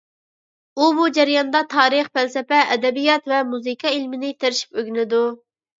ئۇ بۇ جەرياندا تارىخ، پەلسەپە، ئەدەبىيات ۋە مۇزىكا ئىلمىنى تىرىشىپ ئۆگىنىدۇ.